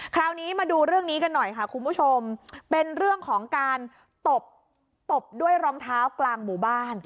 คราวนี้มาดูเรื่องนี้กันหน่อยค่ะคุณผู้ชมเป็นเรื่องของการตบตบด้วยรองเท้ากลางหมู่บ้าน